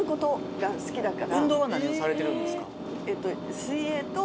運動は何をされてるんですか？